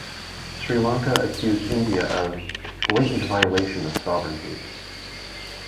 Sri Lanka accused India of "blatant violation of sovereignty".